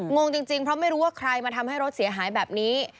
งงจริงเพราะไม่รู้ว่าใครมาทำให้รถเสียหายแบบนี้